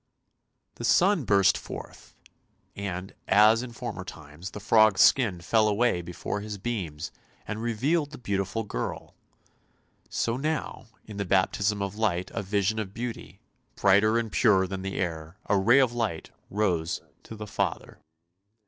The sun burst forth, and, as in former times, the frog's skin fell away before his beams and revealed the beautiful girl; so now, in the baptism of light, a vision of beauty, brighter and purer than the air — a ray of light — rose to the Father.